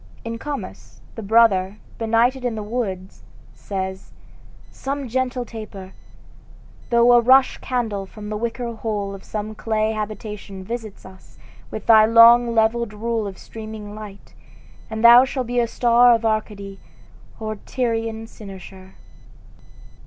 In "Comus," the brother, benighted in the woods, says: "... Some gentle taper! Though a rush candle, from the wicker hole Of some clay habitation, visit us With thy long levelled rule of streaming light, And thou shalt be our star of Arcady, Or Tyrian Cynosure."